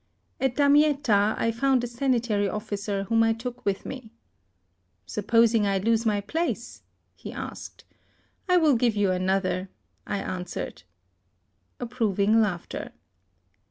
At Damietta I found a sanitary oflBcer whom I took with me. " Supposing I lose my place ?" he asked. " I will give you 62 HISTORY OF another," I answered. (Approving laughter.)